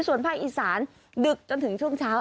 ส่วนภาคอีสานดึกจนถึงช่วงเช้า